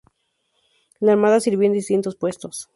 En la Armada sirvió en distintos puestos.